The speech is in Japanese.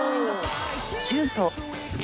シュート。